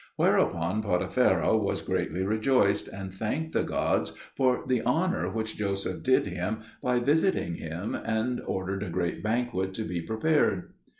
Whereupon Potipherah was greatly rejoiced, and thanked the gods for the honour which Joseph did him by visiting him, and ordered a great banquet to be prepared.